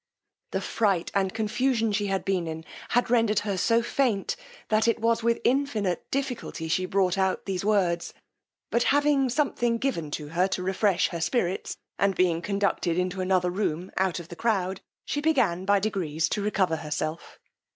The fright and confusion she had been in, had rendered her so faint, that it was with infinite difficulty she brought out these words; but having something given her to refresh her spirits, and being conducted into another room out of the crowd, she began, by degrees, to recover herself.